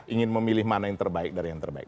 ingin memilih mana yang terbaik dari yang terbaik